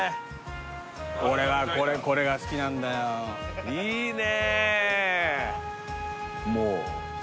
俺はこれが好きなんだよいいね！